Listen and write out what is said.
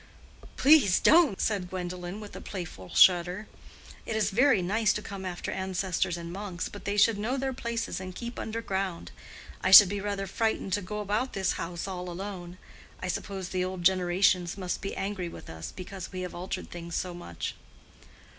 "Please don't!" said Gwendolen, with a playful shudder. "It is very nice to come after ancestors and monks, but they should know their places and keep underground. I should be rather frightened to go about this house all alone. I suppose the old generations must be angry with us because we have altered things so much."